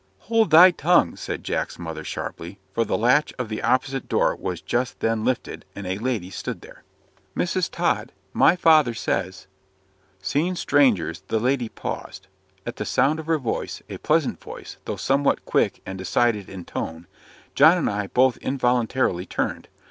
"Hold thy tongue!" said Jack's mother, sharply; for the latch of the opposite door was just then lifted, and a lady stood there. "Mrs. Tod; my father says " Seeing strangers, the lady paused. At the sound of her voice a pleasant voice, though somewhat quick and decided in tone John and I both involuntarily turned.